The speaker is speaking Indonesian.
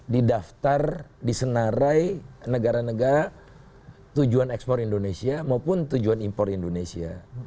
di daftar di senarai negara negara tujuan ekspor indonesia maupun tujuan impor indonesia